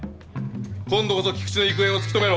今度こそ菊池の行方を突き止めろ。